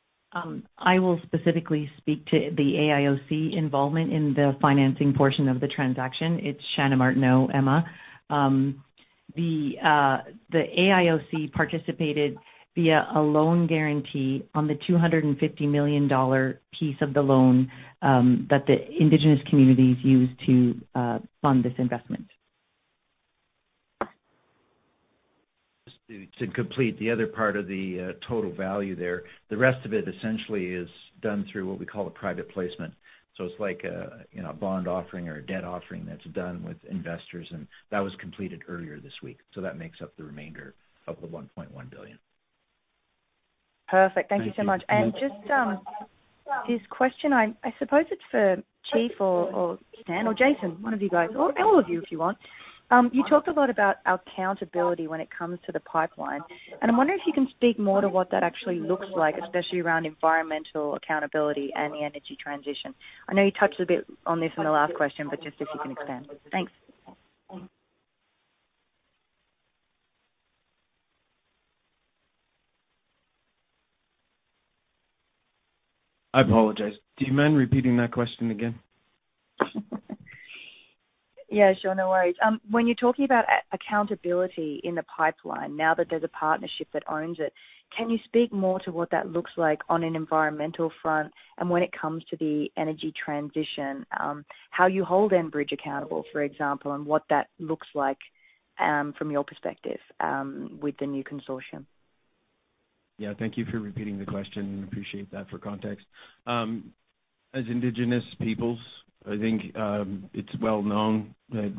I will specifically speak to the AIOC involvement in the financing portion of the transaction. It's Chana Martineau, Emma. The AIOC participated via a loan guarantee on the 250 million dollar piece of the loan that the Indigenous communities use to fund this investment. Just to complete the other part of the total value there. The rest of it essentially is done through what we call a private placement. It's like a, you know, bond offering or a debt offering that's done with investors, and that was completed earlier this week. That makes up the remainder of the 1.1 billion. Perfect. Thank you so much. Thank you. Just this question, I suppose it's for Chief or Stan or Jason, one of you guys or all of you if you want. You talked a lot about accountability when it comes to the pipeline, and I'm wondering if you can speak more to what that actually looks like, especially around environmental accountability and the energy transition. I know you touched a bit on this in the last question, but just if you can expand. Thanks. I apologize. Do you mind repeating that question again? Yeah, sure. No worries. When you're talking about accountability in the pipeline, now that there's a partnership that owns it, can you speak more to what that looks like on an environmental front and when it comes to the energy transition, how you hold Enbridge accountable, for example, and what that looks like from your perspective with the new consortium? Yeah, thank you for repeating the question. Appreciate that for context. As Indigenous peoples, I think, it's well known that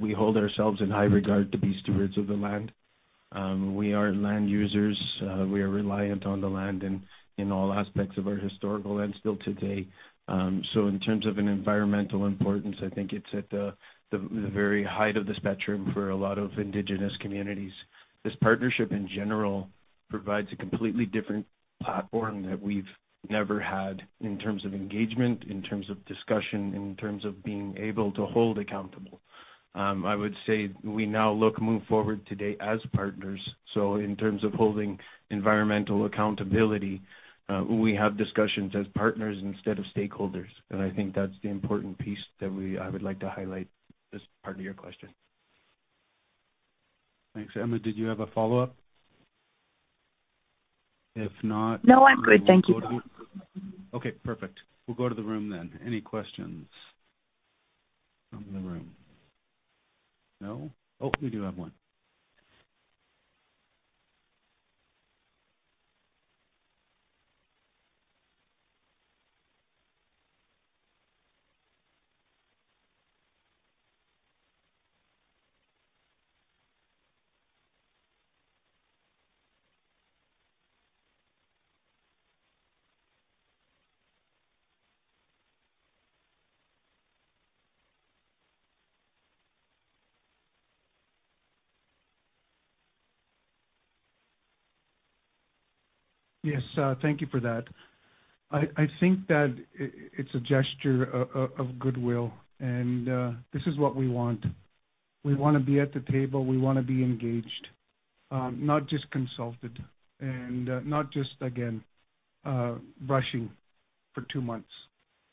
we hold ourselves in high regard to be stewards of the land. We are land users. We are reliant on the land and in all aspects of our historical and still today. So in terms of an environmental importance, I think it's at the very height of the spectrum for a lot of Indigenous communities. This partnership in general provides a completely different platform that we've never had in terms of engagement, in terms of discussion, in terms of being able to hold accountable. I would say we now look move forward today as partners. In terms of holding environmental accountability, we have discussions as partners instead of stakeholders. I think that's the important piece I would like to highlight this part of your question. Thanks. Emma, did you have a follow-up? If not. No, I'm good. Thank you. Okay, perfect. We'll go to the room then. Any questions from the room? No. Oh, we do have one. Yes. Thank you for that. I think that it's a gesture of goodwill and this is what we want. We wanna be at the table, we wanna be engaged, not just consulted and not just again rushing for two months.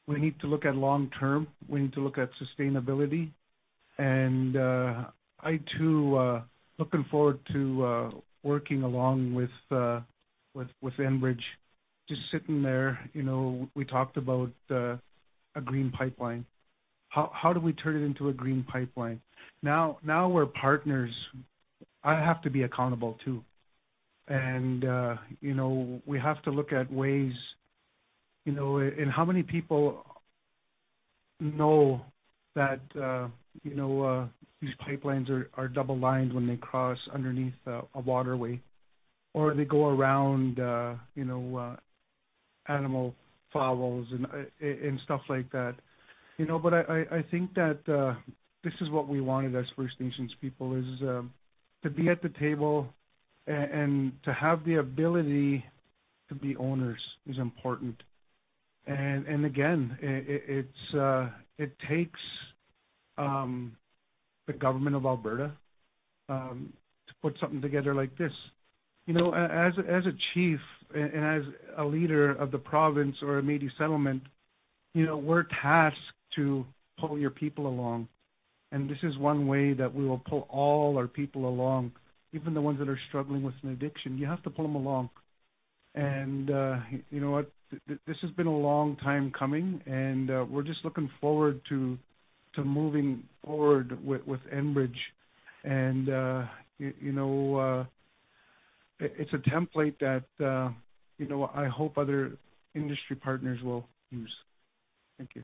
We need to look at long-term. We need to look at sustainability. I too looking forward to working along with with Enbridge, just sitting there. You know, we talked about a green pipeline. How do we turn it into a green pipeline? Now we're partners. I have to be accountable too. You know, we have to look at ways, you know. How many people know that, you know, these pipelines are double lined when they cross underneath a waterway or they go around, you know, waterfowl and stuff like that, you know. I think that this is what we wanted as First Nations people is to be at the table and to have the ability to be owners is important. Again, it's it takes the Government of Alberta to put something together like this. You know, as a chief and as a leader of the province or a Métis settlement, you know, we're tasked to pull your people along. This is one way that we will pull all our people along, even the ones that are struggling with an addiction, you have to pull them along. You know what? This has been a long time coming, and we're just looking forward to moving forward with Enbridge. You know, it's a template that, you know, I hope other industry partners will use. Thank you.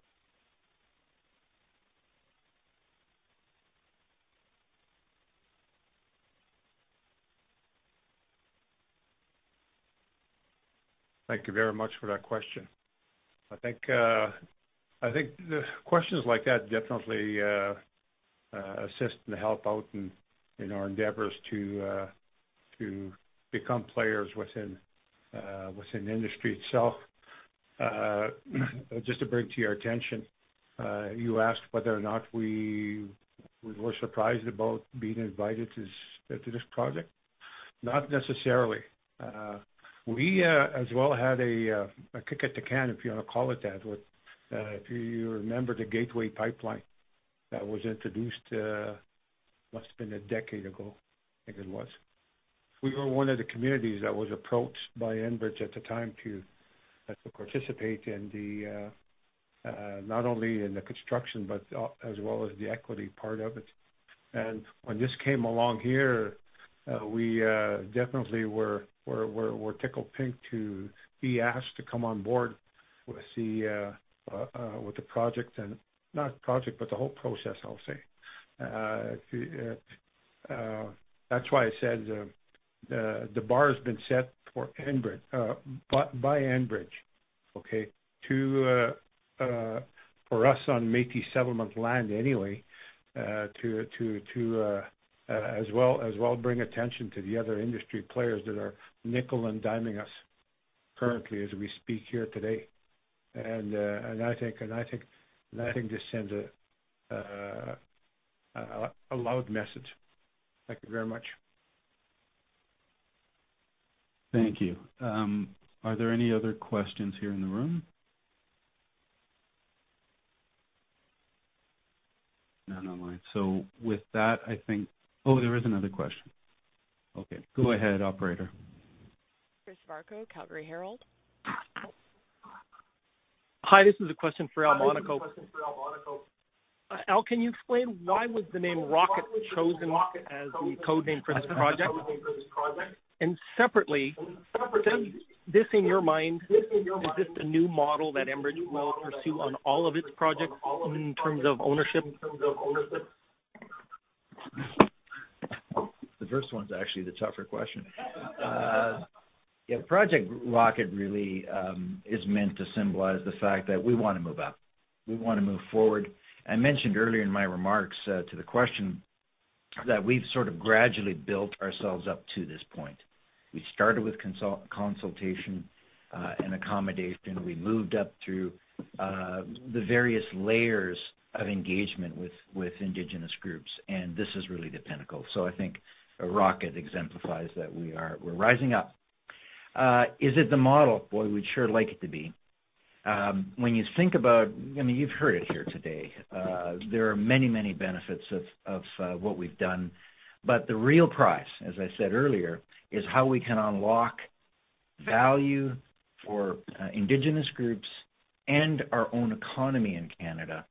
Thank you very much for that question. I think the questions like that definitely assist and help out in our endeavors to become players within industry itself. Just to bring to your attention, you asked whether or not we were surprised about being invited to this project. Not necessarily. We as well had a kick at the can, if you wanna call it that. With if you remember the Northern Gateway Pipeline that was introduced, must've been a decade ago, I think it was. We were one of the communities that was approached by Enbridge at the time to participate in the, not only in the construction, but as well as the equity part of it. When this came along here, we definitely were tickled pink to be asked to come on board with the project and. Not the project, but the whole process, I'll say. That's why I said the bar has been set for Enbridge by Enbridge, okay? For us on Métis Settlement land anyway, to as well bring attention to the other industry players that are nickel-and-diming us currently as we speak here today. I think this sends a loud message. Thank you very much. Thank you. Are there any other questions here in the room? None online. With that, I think. Oh, there is another question. Okay, go ahead, operator. Chris Varcoe, Calgary Herald. Hi, this is a question for Al Monaco. Al, can you explain why was the name Rocket chosen as the code name for this project? Separately, in your mind, is this a new model that Enbridge will pursue on all of its projects in terms of ownership? The first one's actually the tougher question. Project Rocket really is meant to symbolize the fact that we wanna move up. We wanna move forward. I mentioned earlier in my remarks to the question that we've sort of gradually built ourselves up to this point. We started with consultation and accommodation. We moved up through the various layers of engagement with Indigenous groups, and this is really the pinnacle. I think a rocket exemplifies that we are rising up. Is it the model? Boy, we'd sure like it to be. When you think about, I mean, you've heard it here today. There are many, many benefits of what we've done. The real prize, as I said earlier, is how we can unlock value for Indigenous groups and our own economy in Canada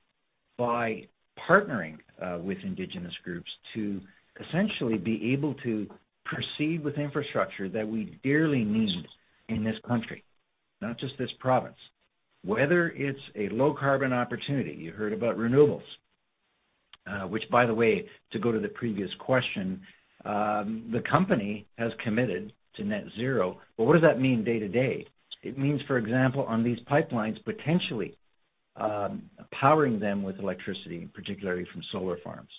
by partnering with Indigenous groups to essentially be able to proceed with infrastructure that we dearly need in this country, not just this province. Whether it's a low-carbon opportunity, you heard about renewables, which by the way, to go to the previous question, the company has committed to net zero. What does that mean day-to-day? It means, for example, on these pipelines, potentially powering them with electricity, particularly from solar farms.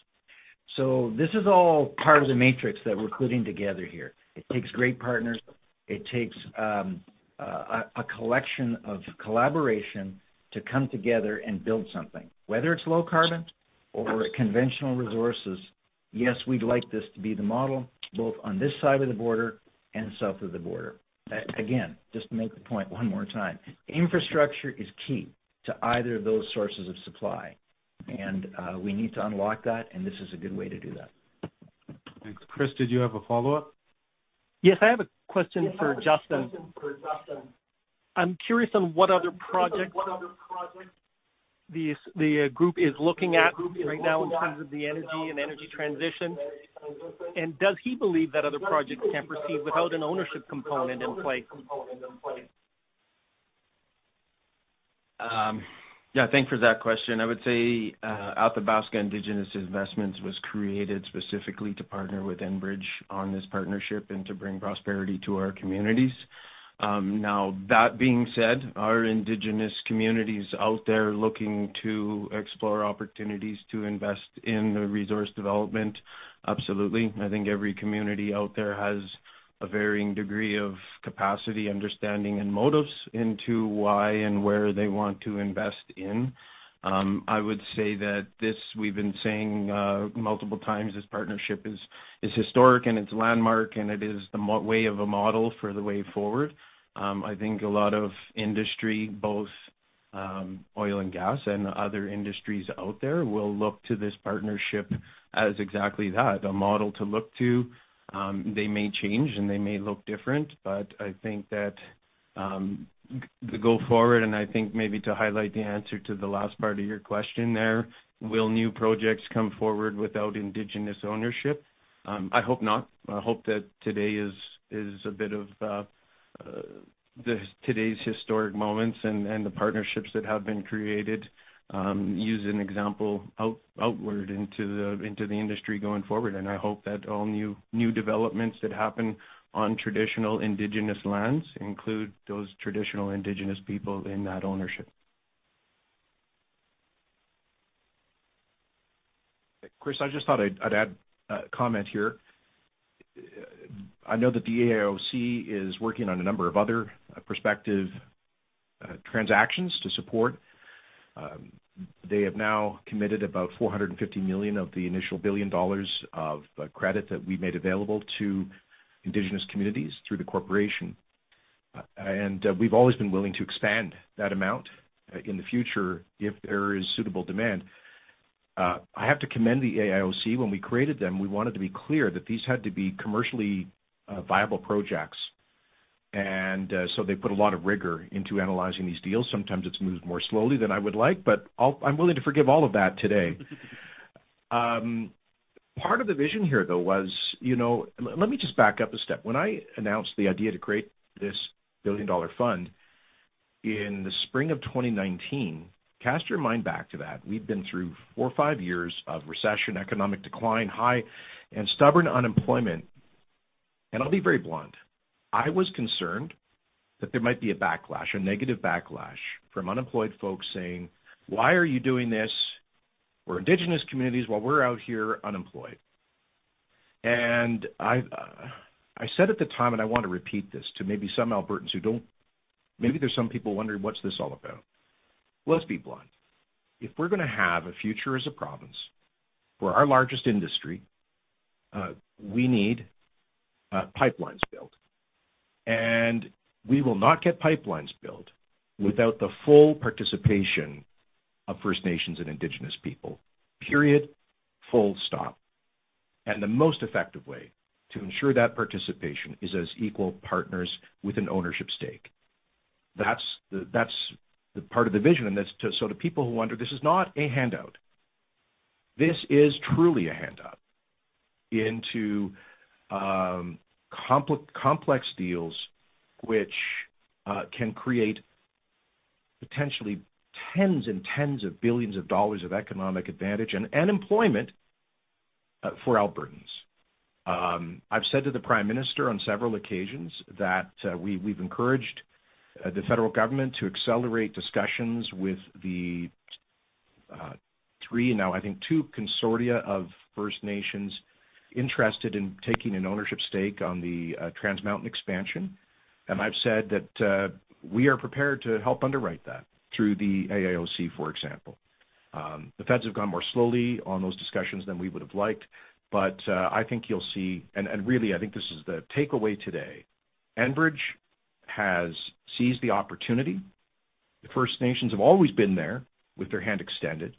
This is all part of the matrix that we're putting together here. It takes great partners. It takes a collection of collaboration to come together and build something. Whether it's low carbon or conventional resources, yes, we'd like this to be the model, both on this side of the border and south of the border. Again, just to make the point one more time, infrastructure is key to either of those sources of supply. We need to unlock that, and this is a good way to do that. Thanks. Chris, did you have a follow-up? Yes, I have a question for Justin. I'm curious on what other projects the group is looking at right now in terms of the energy and energy transition. Does he believe that other projects can proceed without an ownership component in place? Yeah. Thanks for that question. I would say Athabasca Indigenous Investments was created specifically to partner with Enbridge on this partnership and to bring prosperity to our communities. Now that being said, are Indigenous communities out there looking to explore opportunities to invest in the resource development? Absolutely. I think every community out there has a varying degree of capacity, understanding, and motives into why and where they want to invest in. I would say that this, we've been saying multiple times, this partnership is historic and it's landmark, and it is the model for the way forward. I think a lot of industry, both oil and gas and other industries out there, will look to this partnership as exactly that, a model to look to. They may change, and they may look different, but I think that going forward, I think maybe to highlight the answer to the last part of your question there, will new projects come forward without Indigenous ownership? I hope not. Today's historic moments and the partnerships that have been created as an example for the industry going forward. I hope that all new developments that happen on traditional Indigenous lands include those traditional Indigenous people in that ownership. Chris, I just thought I'd add a comment here. I know that the AIOC is working on a number of other prospective transactions to support. They have now committed about 450 million of the initial 1 billion dollars of credit that we made available to indigenous communities through the corporation. We've always been willing to expand that amount in the future if there is suitable demand. I have to commend the AIOC. When we created them, we wanted to be clear that these had to be commercially viable projects. They put a lot of rigor into analyzing these deals. Sometimes it's moved more slowly than I would like, but I'm willing to forgive all of that today. Part of the vision here, though, was, you know. Let me just back up a step. When I announced the idea to create this billion-dollar fund in the spring of 2019, cast your mind back to that. We'd been through four or five years of recession, economic decline, high and stubborn unemployment. I'll be very blunt. I was concerned that there might be a backlash, a negative backlash from unemployed folks saying, "Why are you doing this for Indigenous communities while we're out here unemployed?" I said at the time, and I want to repeat this to maybe some Albertans who don't. Maybe there's some people wondering, what's this all about? Let's be blunt. If we're gonna have a future as a province, for our largest industry, we need pipelines built. We will not get pipelines built without the full participation of First Nations and Indigenous People. Period. Full stop. The most effective way to ensure that participation is as equal partners with an ownership stake. That's the part of the vision to people who wonder, this is not a handout. This is truly a handout into complex deals which can create potentially tens and tens of billions of CAD of economic advantage and employment for Albertans. I've said to the Prime Minister on several occasions that we've encouraged the federal government to accelerate discussions with the three, now I think two consortia of First Nations interested in taking an ownership stake on the Trans Mountain expansion. I've said that we are prepared to help underwrite that through the AIOC, for example. The feds have gone more slowly on those discussions than we would've liked. I think you'll see. really, I think this is the takeaway today. Enbridge has seized the opportunity. The First Nations have always been there with their hand extended.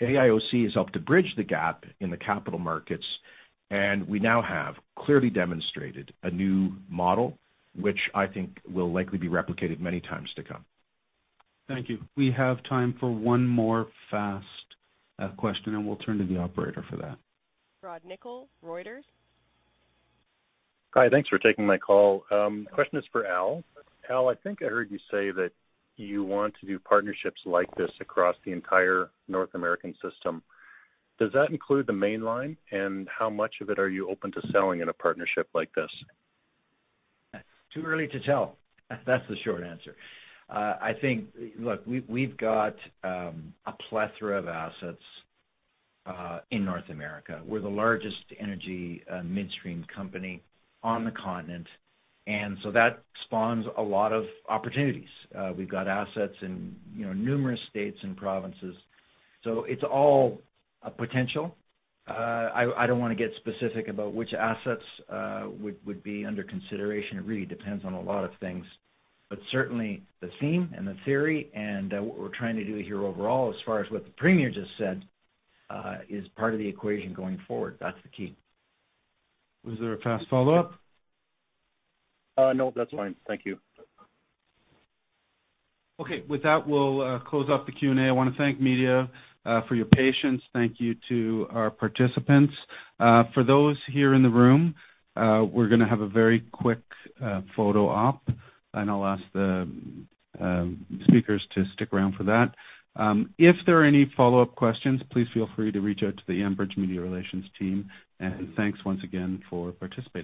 AIOC has helped to bridge the gap in the capital markets, and we now have clearly demonstrated a new model, which I think will likely be replicated many times to come. Thank you. We have time for one more last question, and we'll turn to the operator for that. Rod Nickel, Reuters. Hi. Thanks for taking my call. Question is for Al. Al, I think I heard you say that you want to do partnerships like this across the entire North American system. Does that include the main line? How much of it are you open to selling in a partnership like this? Too early to tell. That's the short answer. Look, we've got a plethora of assets in North America. We're the largest energy midstream company on the continent, and so that spawns a lot of opportunities. We've got assets in, you know, numerous states and provinces, so it's all a potential. I don't wanna get specific about which assets would be under consideration. It really depends on a lot of things. Certainly, the theme and the theory and what we're trying to do here overall as far as what the premier just said is part of the equation going forward. That's the key. Was there a fast follow-up? No. That's fine. Thank you. Okay. With that, we'll close off the Q&A. I wanna thank media for your patience. Thank you to our participants. For those here in the room, we're gonna have a very quick photo op, and I'll ask the speakers to stick around for that. If there are any follow-up questions, please feel free to reach out to the Enbridge media relations team. Thanks once again for participating.